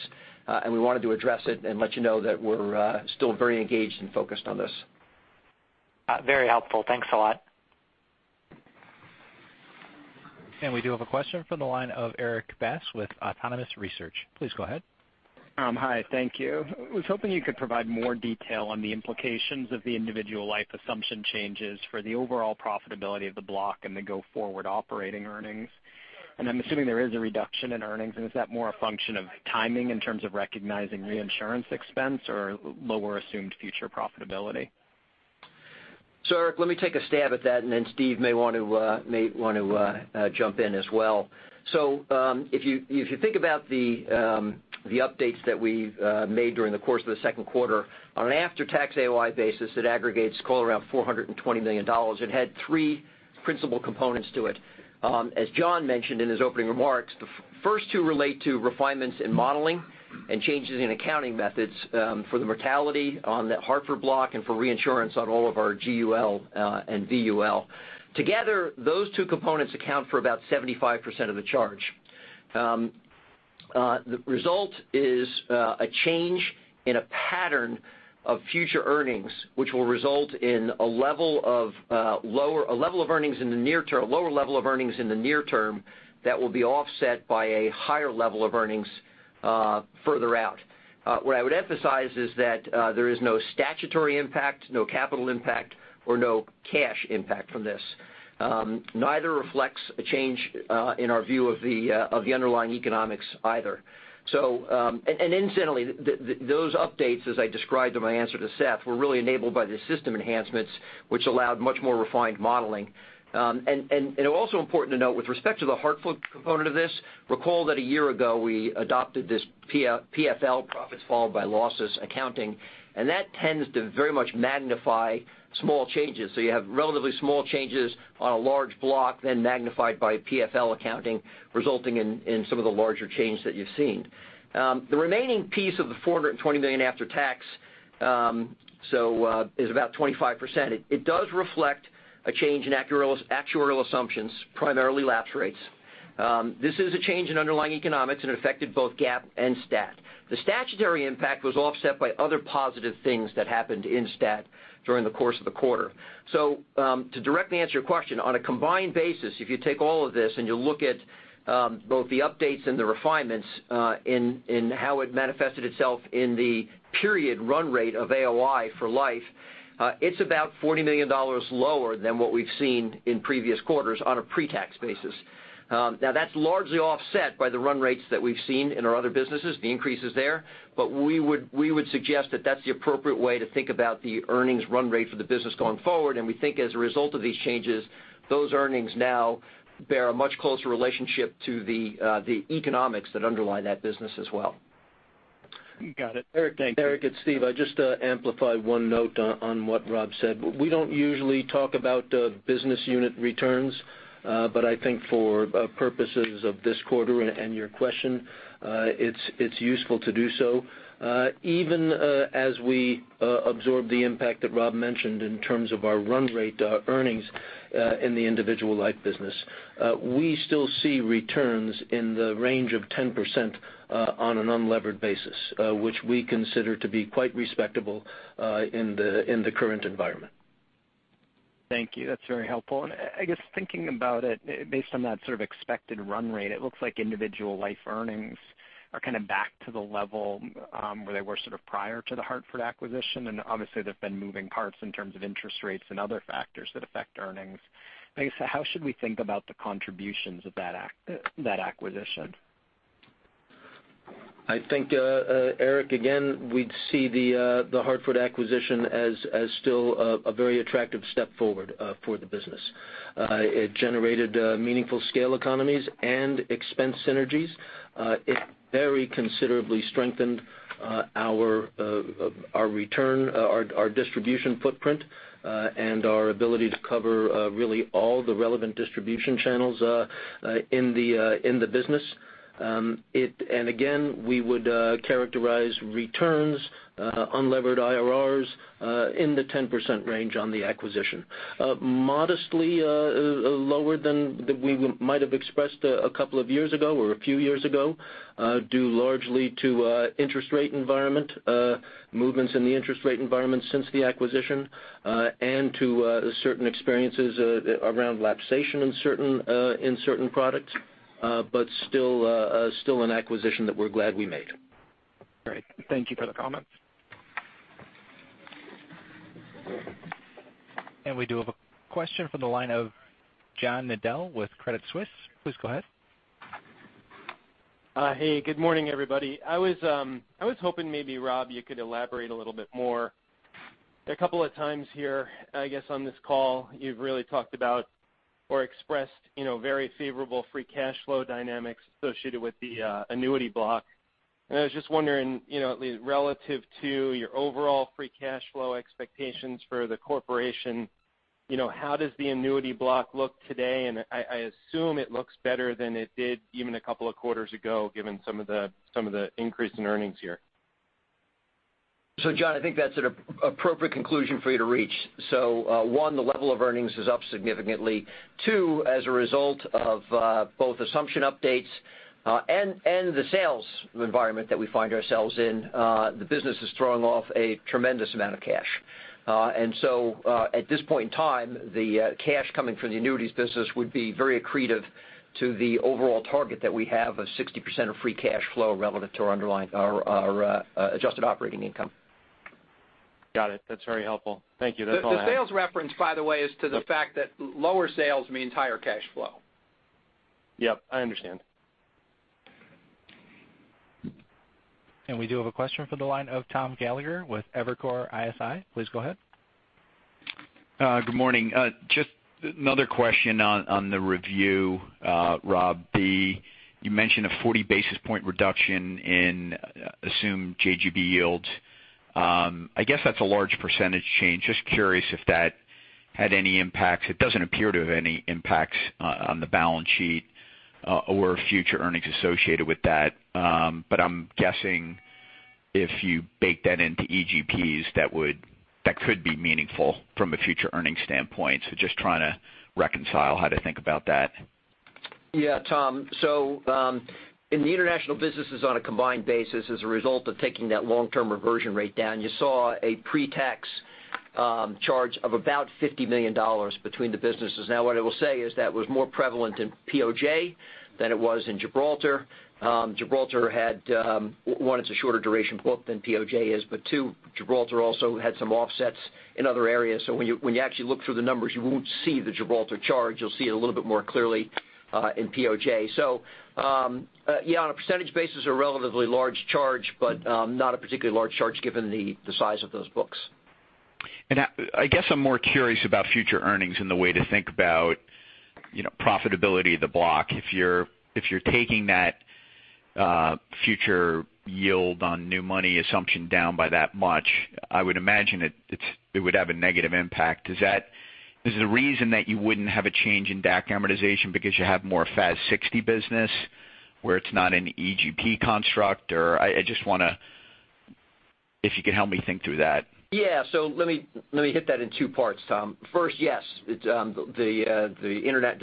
and we wanted to address it and let you know that we're still very engaged and focused on this. Very helpful. Thanks a lot. We do have a question from the line of Erik Bass with Autonomous Research. Please go ahead. Hi, thank you. I was hoping you could provide more detail on the implications of the individual life assumption changes for the overall profitability of the block and the go-forward operating earnings. I'm assuming there is a reduction in earnings, and is that more a function of timing in terms of recognizing reinsurance expense or lower assumed future profitability? Erik, let me take a stab at that, and then Steve may want to jump in as well. If you think about the updates that we've made during the course of the second quarter on an after-tax AOI basis, it aggregates call it around $420 million. It had three principal components to it. As John mentioned in his opening remarks, the first two relate to refinements in modeling and changes in accounting methods for the mortality on The Hartford block and for reinsurance on all of our GUL and VUL. Together, those two components account for about 75% of the charge. The result is a change in a pattern of future earnings, which will result in a lower level of earnings in the near term that will be offset by a higher level of earnings further out. What I would emphasize is that there is no statutory impact, no capital impact, or no cash impact from this. Neither reflects a change in our view of the underlying economics either. Incidentally, those updates, as I described in my answer to Seth, were really enabled by the system enhancements, which allowed much more refined modeling. Also important to note with respect to The Hartford component of this, recall that a year ago, we adopted this PFL, profits followed by losses accounting, and that tends to very much magnify small changes. You have relatively small changes on a large block, then magnified by PFL accounting, resulting in some of the larger change that you've seen. The remaining piece of the $420 million after tax is about 25%. It does reflect a change in actuarial assumptions, primarily lapse rates. This is a change in underlying economics, and affected both GAAP and STAT. The statutory impact was offset by other positive things that happened in STAT during the course of the quarter. To directly answer your question, on a combined basis, if you take all of this and you look at both the updates and the refinements in how it manifested itself in the period run rate of AOI for life, it's about $40 million lower than what we've seen in previous quarters on a pre-tax basis. Now, that's largely offset by the run rates that we've seen in our other businesses, the increases there, but we would suggest that that's the appropriate way to think about the earnings run rate for the business going forward. We think as a result of these changes, those earnings now bear a much closer relationship to the economics that underlie that business as well. Got it. Thank you. Erik, it's Steve. I just amplify one note on what Rob said. We don't usually talk about business unit returns, but I think for purposes of this quarter and your question, it's useful to do so. Even as we absorb the impact that Rob mentioned in terms of our run rate earnings in the Individual Life business, we still see returns in the range of 10% on an unlevered basis, which we consider to be quite respectable in the current environment. Thank you. That's very helpful. I guess thinking about it based on that sort of expected run rate, it looks like Individual Life earnings are kind of back to the level where they were sort of prior to The Hartford acquisition, and obviously there's been moving parts in terms of interest rates and other factors that affect earnings. I guess, how should we think about the contributions of that acquisition? I think, Erik, again, we'd see The Hartford acquisition as still a very attractive step forward for the business. It generated meaningful scale economies and expense synergies. It very considerably strengthened our return, our distribution footprint, and our ability to cover really all the relevant distribution channels in the business. Again, we would characterize returns, unlevered IRRs, in the 10% range on the acquisition. Modestly lower than we might have expressed a couple of years ago or a few years ago, due largely to interest rate environment, movements in the interest rate environment since the acquisition, and to certain experiences around lapsation in certain products, but still an acquisition that we're glad we made. Great. Thank you for the comments. We do have a question from the line of John Nadel with Credit Suisse. Please go ahead. Hey, good morning, everybody. I was hoping maybe, Rob, you could elaborate a little bit more. A couple of times here, I guess, on this call, you've really talked about or expressed very favorable free cash flow dynamics associated with the annuity block. I was just wondering, at least relative to your overall free cash flow expectations for the corporation, how does the annuity block look today? I assume it looks better than it did even a couple of quarters ago, given some of the increase in earnings here. John, I think that's an appropriate conclusion for you to reach. One, the level of earnings is up significantly. Two, as a result of both assumption updates and the sales environment that we find ourselves in, the business is throwing off a tremendous amount of cash. At this point in time, the cash coming from the annuities business would be very accretive to the overall target that we have of 60% of free cash flow relative to our adjusted operating income. Got it. That's very helpful. Thank you. That's all I had. The sales reference, by the way, is to the fact that lower sales means higher cash flow. Yep, I understand. We do have a question from the line of Tom Gallagher with Evercore ISI. Please go ahead. Good morning. Just another question on the review, Rob. You mentioned a 40 basis point reduction in assumed JGB yields. I guess that's a large percentage change. Just curious if that had any impacts. It doesn't appear to have any impacts on the balance sheet or future earnings associated with that. I'm guessing if you bake that into EGPs, that could be meaningful from a future earnings standpoint. Just trying to reconcile how to think about that. Yeah, Tom. In the international businesses on a combined basis as a result of taking that long-term reversion rate down, you saw a pre-tax charge of about $50 million between the businesses. Now, what I will say is that was more prevalent in POJ than it was in Gibraltar. Gibraltar had, one, it's a shorter duration book than POJ is, two, Gibraltar also had some offsets in other areas. When you actually look through the numbers, you won't see the Gibraltar charge. You'll see it a little bit more clearly in POJ. Yeah, on a percentage basis, a relatively large charge, but not a particularly large charge given the size of those books. I guess I'm more curious about future earnings and the way to think about profitability of the block. If you're taking that future yield on new money assumption down by that much, I would imagine it would have a negative impact. Is the reason that you wouldn't have a change in DAC amortization because you have more FAS 60 business where it's not an EGP construct? If you could help me think through that. Let me hit that in two parts, Tom. First, yes. The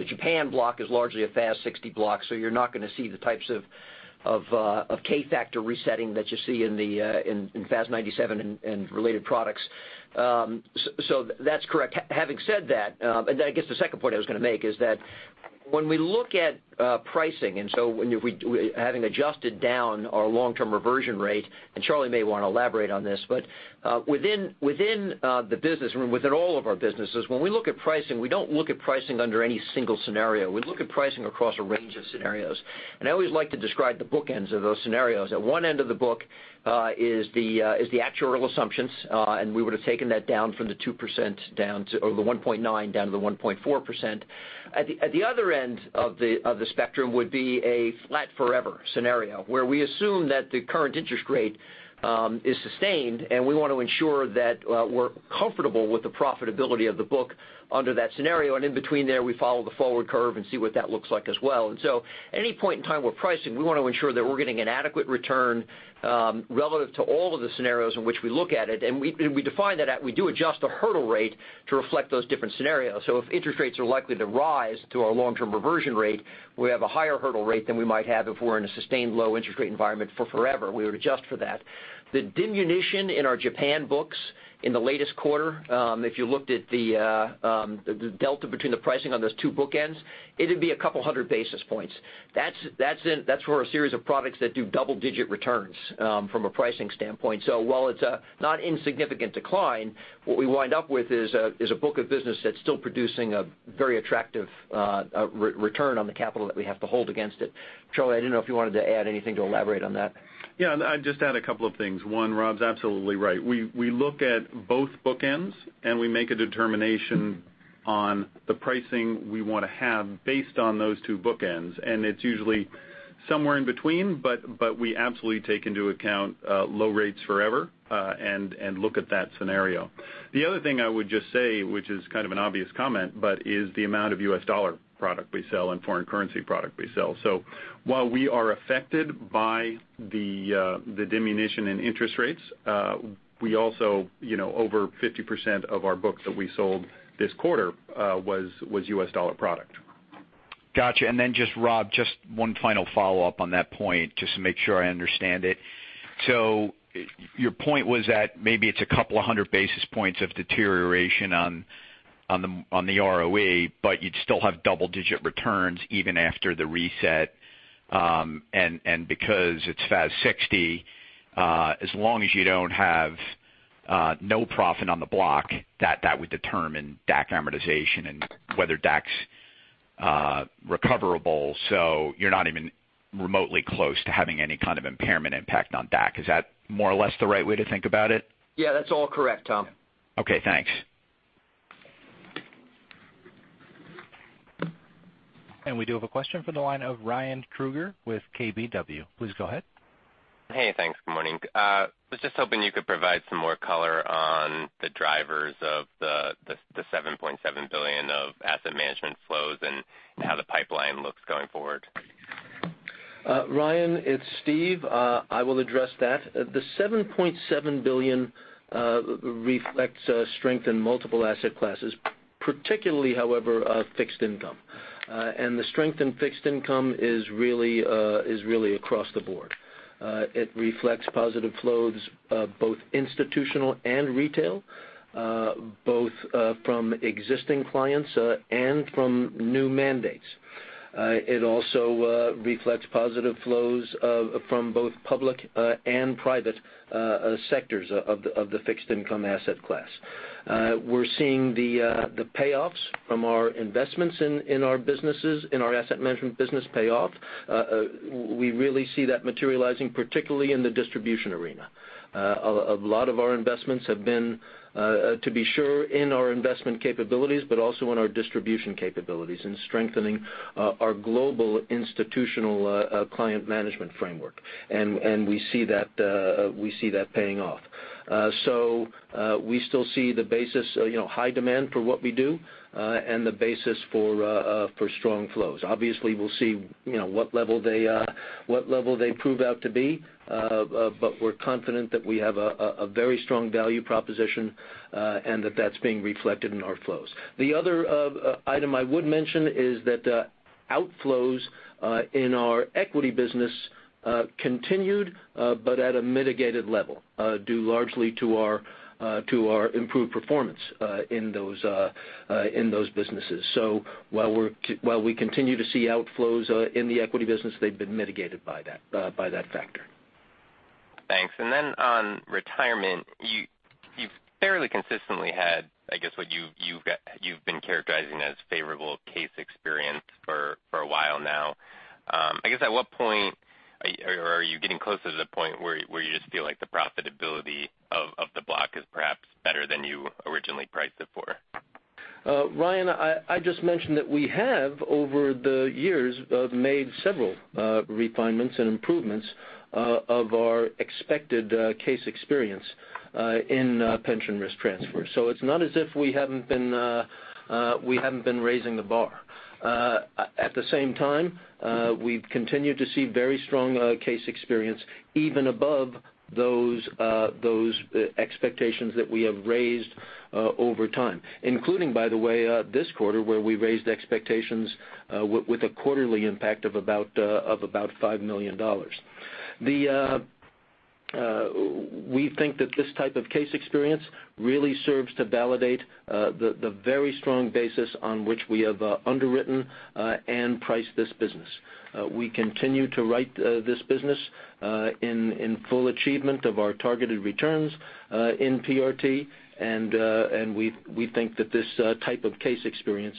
Japan block is largely a FAS 60 block, so you're not going to see the types of K-factor resetting that you see in FAS 97 and related products. That's correct. Having said that, then I guess the second point I was going to make is that when we look at pricing, having adjusted down our long-term reversion rate, and Charlie may want to elaborate on this, but within the business, within all of our businesses, when we look at pricing, we don't look at pricing under any single scenario. We look at pricing across a range of scenarios. I always like to describe the bookends of those scenarios. At one end of the book is the actuarial assumptions, we would have taken that down from the 2% down to, or the 1.9 down to the 1.4%. At the other end of the spectrum would be a flat forever scenario, where we assume that the current interest rate is sustained, we want to ensure that we're comfortable with the profitability of the book under that scenario. In between there, we follow the forward curve and see what that looks like as well. At any point in time we're pricing, we want to ensure that we're getting an adequate return relative to all of the scenarios in which we look at it. We define that, we do adjust the hurdle rate to reflect those different scenarios. If interest rates are likely to rise to our long-term reversion rate, we have a higher hurdle rate than we might have if we're in a sustained low interest rate environment for forever. We would adjust for that. The diminution in our Japan books in the latest quarter, if you looked at the delta between the pricing on those two bookends, it'd be a couple hundred basis points. That's for a series of products that do double-digit returns from a pricing standpoint. While it's a not insignificant decline, what we wind up with is a book of business that's still producing a very attractive return on the capital that we have to hold against it. Charlie, I didn't know if you wanted to add anything to elaborate on that. Yeah, I'd just add a couple of things. One, Rob's absolutely right. We look at both bookends, we make a determination on the pricing we want to have based on those two bookends. It's usually somewhere in between, we absolutely take into account low rates forever, and look at that scenario. The other thing I would just say, which is kind of an obvious comment, is the amount of U.S. dollar product we sell and foreign currency product we sell. While we are affected by the diminution in interest rates, we also over 50% of our books that we sold this quarter was U.S. dollar product. Got you. Just Rob, just one final follow-up on that point, just to make sure I understand it. Your point was that maybe it's a couple of hundred basis points of deterioration on the ROE, you'd still have double-digit returns even after the reset. Because it's FAS 60, as long as you don't have no profit on the block, that would determine DAC amortization and whether DAC's recoverable, you're not even remotely close to having any kind of impairment impact on DAC. Is that more or less the right way to think about it? Yeah. That's all correct, Tom. Okay. Thanks. We do have a question from the line of Ryan Krueger with KBW. Please go ahead. Hey, thanks. Good morning. I was just hoping you could provide some more color on the drivers of the $7.7 billion of asset management flows and how the pipeline looks going forward. Ryan, it's Steve. I will address that. The $7.7 billion reflects strength in multiple asset classes, particularly however, fixed income. The strength in fixed income is really across the board. It reflects positive flows both institutional and retail, both from existing clients and from new mandates. It also reflects positive flows from both public and private sectors of the fixed income asset class. We're seeing the payoffs from our investments in our businesses, in our asset management business pay off. We really see that materializing particularly in the distribution arena. A lot of our investments have been to be sure in our investment capabilities, but also in our distribution capabilities, in strengthening our global institutional client management framework. We see that paying off. We still see the basis, high demand for what we do, and the basis for strong flows. Obviously, we'll see what level they prove out to be, but we're confident that we have a very strong value proposition, and that that's being reflected in our flows. The other item I would mention is that outflows in our equity business continued but at a mitigated level due largely to our improved performance in those businesses. While we continue to see outflows in the equity business, they've been mitigated by that factor. Thanks. On retirement, you've fairly consistently had, I guess what you've been characterizing as favorable case experience for a while now. I guess at what point are you getting closer to the point where you just feel like the profitability of the block is perhaps better than you originally priced it for? Ryan, I just mentioned that we have over the years made several refinements and improvements of our expected case experience in Pension Risk Transfer. It's not as if we haven't been raising the bar. At the same time, we've continued to see very strong case experience even above those expectations that we have raised over time, including, by the way, this quarter where we raised expectations with a quarterly impact of about $5 million. We think that this type of case experience really serves to validate the very strong basis on which we have underwritten and priced this business. We continue to write this business in full achievement of our targeted returns in PRT, and we think that this type of case experience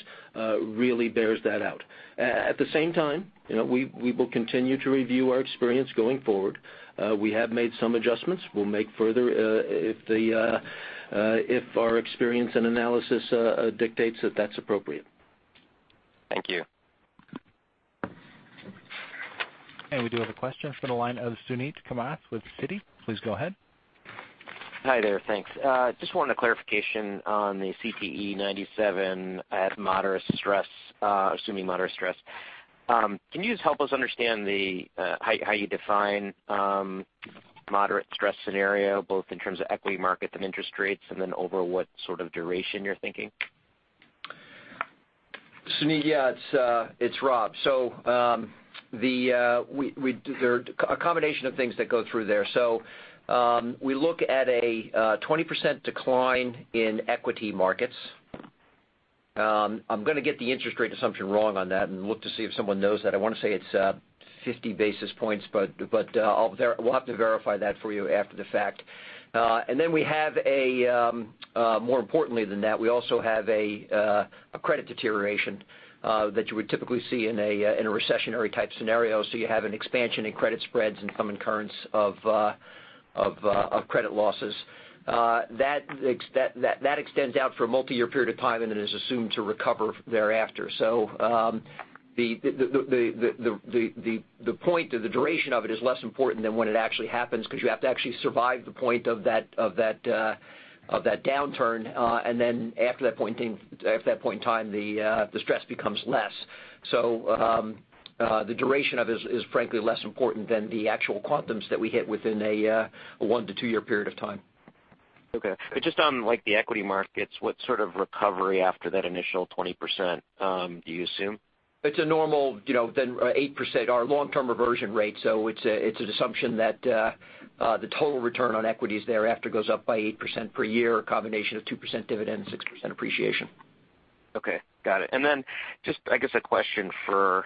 really bears that out. At the same time, we will continue to review our experience going forward. We have made some adjustments. We'll make further if our experience and analysis dictates that that's appropriate. Thank you. We do have a question from the line of Suneet Kamath with Citi. Please go ahead. Hi there. Thanks. Just wanted a clarification on the CTE 97 at moderate stress, assuming moderate stress. Can you just help us understand how you define moderate stress scenario, both in terms of equity markets and interest rates, and then over what sort of duration you're thinking? Suneet, yeah. It's Rob. There are a combination of things that go through there. We look at a 20% decline in equity markets. I'm going to get the interest rate assumption wrong on that and look to see if someone knows that. I want to say it's 50 basis points, but we'll have to verify that for you after the fact. More importantly than that, we also have a credit deterioration that you would typically see in a recessionary type scenario. You have an expansion in credit spreads and some incurrence of credit losses That extends out for a multiyear period of time and then is assumed to recover thereafter. The point or the duration of it is less important than when it actually happens because you have to actually survive the point of that downturn. Then after that point in time, the stress becomes less. The duration of it is frankly less important than the actual quantums that we hit within a one to two-year period of time. Okay. Just on the equity markets, what sort of recovery after that initial 20% do you assume? It's a normal 8%, our long-term reversion rate. It's an assumption that the total return on equity thereafter goes up by 8% per year, a combination of 2% dividend, 6% appreciation. Okay. Got it. Just, I guess, a question for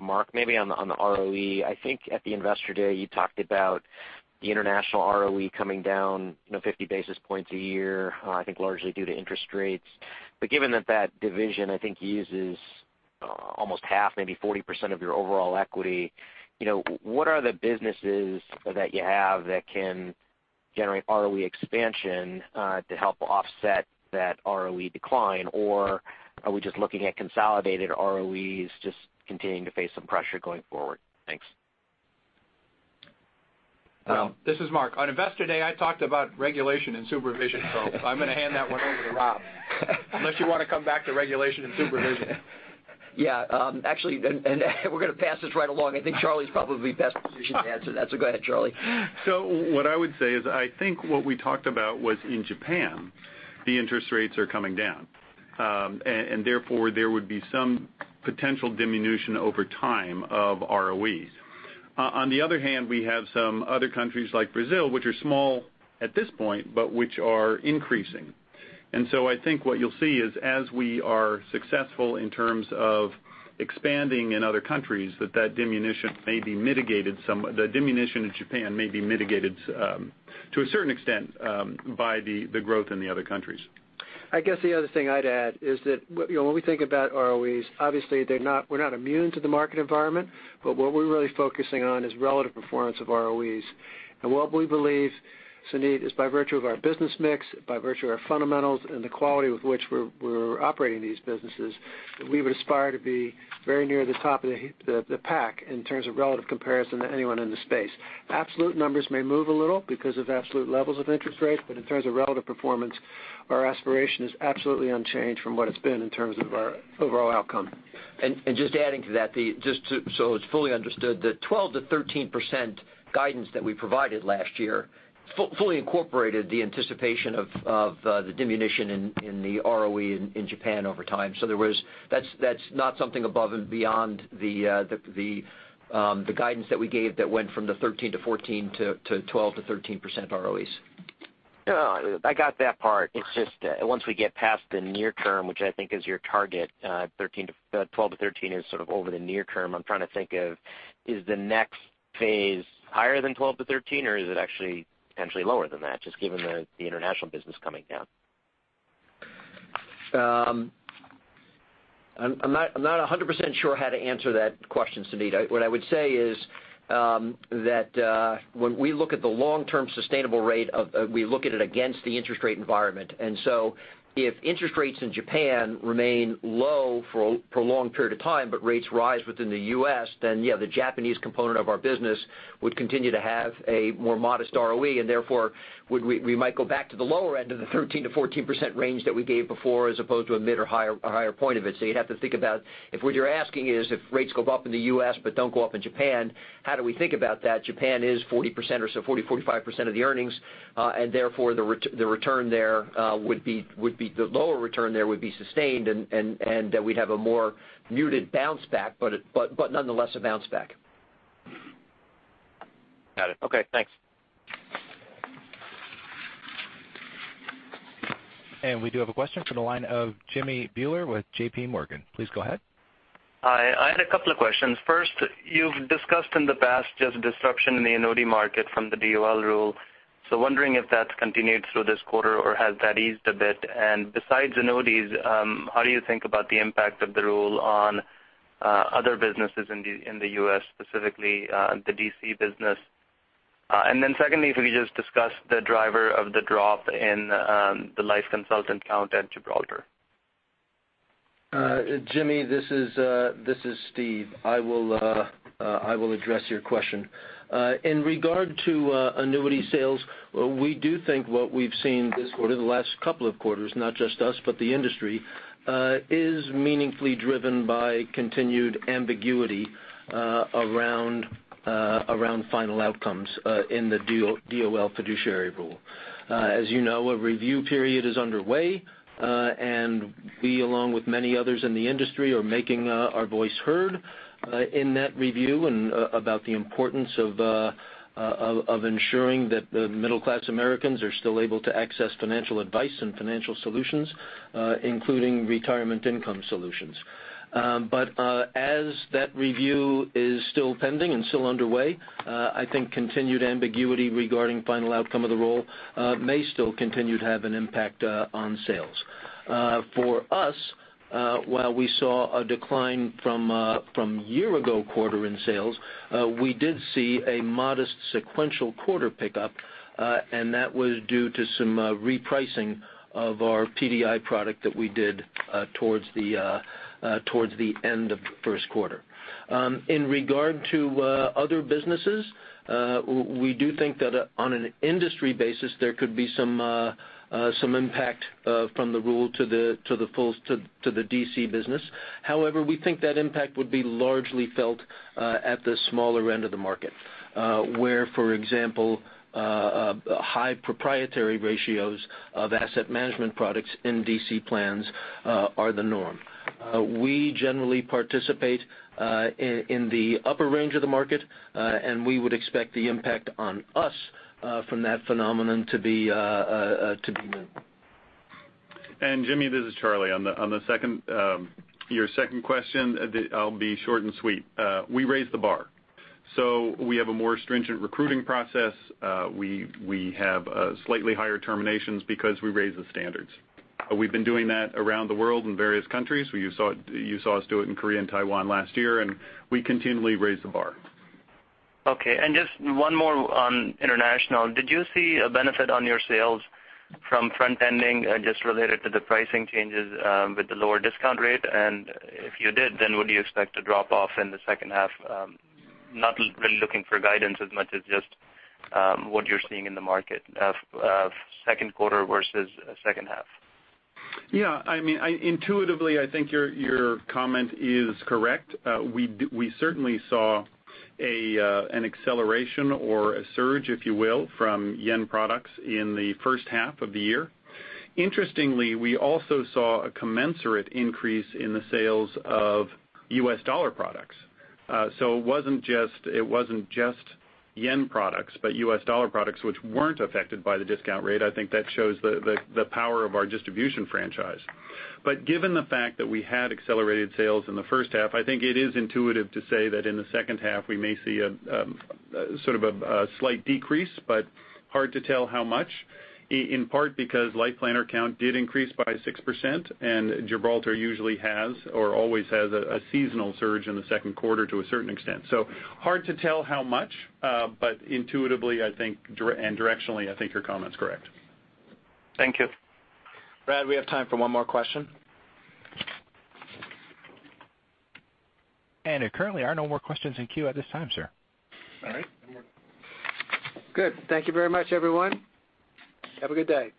Mark, maybe on the ROE. I think at the Investor Day, you talked about the international ROE coming down 50 basis points a year, I think largely due to interest rates. Given that that division, I think, uses almost half, maybe 40% of your overall equity, what are the businesses that you have that can generate ROE expansion to help offset that ROE decline? Are we just looking at consolidated ROEs just continuing to face some pressure going forward? Thanks. This is Mark. On Investor Day, I talked about regulation and supervision. I'm going to hand that one over to Rob, unless you want to come back to regulation and supervision. Yeah. Actually, we're going to pass this right along. I think Charlie's probably best positioned to answer that, go ahead, Charlie. What I would say is, I think what we talked about was in Japan, the interest rates are coming down. Therefore, there would be some potential diminution over time of ROEs. On the other hand, we have some other countries like Brazil, which are small at this point, but which are increasing. I think what you'll see is as we are successful in terms of expanding in other countries, that that diminution in Japan may be mitigated to a certain extent by the growth in the other countries. I guess the other thing I'd add is that when we think about ROEs, obviously we're not immune to the market environment, but what we're really focusing on is relative performance of ROEs. What we believe, Suneet, is by virtue of our business mix, by virtue of our fundamentals and the quality with which we're operating these businesses, that we would aspire to be very near the top of the pack in terms of relative comparison to anyone in the space. Absolute numbers may move a little because of absolute levels of interest rates, but in terms of relative performance, our aspiration is absolutely unchanged from what it's been in terms of our overall outcome. Just adding to that, just so it's fully understood, the 12%-13% guidance that we provided last year fully incorporated the anticipation of the diminution in the ROE in Japan over time. That's not something above and beyond the guidance that we gave that went from the 13%-14% to 12%-13% ROEs. No, I got that part. It's just once we get past the near term, which I think is your target, 12%-13% is sort of over the near term. I'm trying to think of, is the next phase higher than 12%-13%, or is it actually potentially lower than that, just given the international business coming down? I'm not 100% sure how to answer that question, Suneet. What I would say is that when we look at the long-term sustainable rate, we look at it against the interest rate environment. If interest rates in Japan remain low for a prolonged period of time, but rates rise within the U.S., then yeah, the Japanese component of our business would continue to have a more modest ROE, and therefore, we might go back to the lower end of the 13%-14% range that we gave before, as opposed to a mid or a higher point of it. You'd have to think about if what you're asking is if rates go up in the U.S. but don't go up in Japan, how do we think about that? Japan is 40% or so, 40%, 45% of the earnings, and therefore the lower return there would be sustained and that we'd have a more muted bounce back, but nonetheless, a bounce back. Got it. Okay, thanks. We do have a question from the line of Jimmy Bhullar with JPMorgan. Please go ahead. Hi. I had a couple of questions. First, you've discussed in the past just disruption in the annuity market from the DOL rule. Wondering if that's continued through this quarter or has that eased a bit? Besides annuities, how do you think about the impact of the rule on other businesses in the U.S., specifically the DC business? Secondly, could you just discuss the driver of the drop in the life consultant count at Gibraltar? Jimmy, this is Steve. I will address your question. In regard to annuity sales, we do think what we've seen this quarter, the last couple of quarters, not just us, but the industry, is meaningfully driven by continued ambiguity around final outcomes in the DOL Fiduciary Rule. As you know, a review period is underway, we, along with many others in the industry, are making our voice heard in that review and about the importance of ensuring that the middle-class Americans are still able to access financial advice and financial solutions, including retirement income solutions. As that review is still pending and still underway, I think continued ambiguity regarding final outcome of the rule may still continue to have an impact on sales. For us, while we saw a decline from year-ago quarter in sales, we did see a modest sequential quarter pickup, that was due to some repricing of our PDI product that we did towards the end of first quarter. In regard to other businesses, we do think that on an industry basis, there could be some impact from the rule to the DC business. However, we think that impact would be largely felt at the smaller end of the market, where, for example, high proprietary ratios of asset management products in DC plans are the norm. We generally participate in the upper range of the market, we would expect the impact on us from that phenomenon to be minimal. Jimmy, this is Charlie. On your second question, I'll be short and sweet. We raised the bar. We have a more stringent recruiting process. We have slightly higher terminations because we raised the standards. We've been doing that around the world in various countries. You saw us do it in Korea and Taiwan last year, we continually raise the bar. Okay. Just one more on international. Did you see a benefit on your sales from front-ending just related to the pricing changes with the lower discount rate? If you did, would you expect a drop-off in the second half? I'm not really looking for guidance as much as just what you're seeing in the market of second quarter versus second half. Yeah, intuitively, I think your comment is correct. We certainly saw an acceleration or a surge, if you will, from yen products in the first half of the year. Interestingly, we also saw a commensurate increase in the sales of U.S. dollar products. It wasn't just yen products, but U.S. dollar products which weren't affected by the discount rate. I think that shows the power of our distribution franchise. Given the fact that we had accelerated sales in the first half, I think it is intuitive to say that in the second half, we may see a sort of a slight decrease, but hard to tell how much, in part because Life Planner count did increase by 6%, and Gibraltar usually has or always has a seasonal surge in the second quarter to a certain extent. Hard to tell how much, intuitively and directionally, I think your comment's correct. Thank you. Brad, we have time for one more question. There currently are no more questions in queue at this time, sir. All right. No more. Good. Thank you very much, everyone. Have a good day.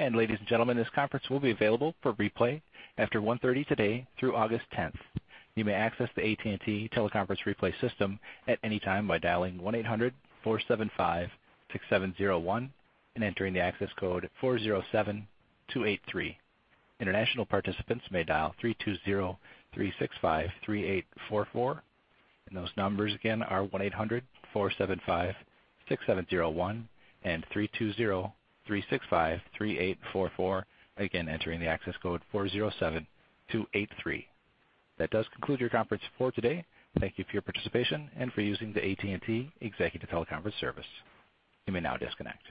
Ladies and gentlemen, this conference will be available for replay after 1:30 today through August 10th. You may access the AT&T teleconference replay system at any time by dialing 1-800-475-6701 and entering the access code 407283. International participants may dial 320-365-3844. Those numbers again are 1-800-475-6701 and 320-365-3844. Again, entering the access code 407283. That does conclude your conference for today. Thank you for your participation and for using the AT&T executive teleconference service. You may now disconnect.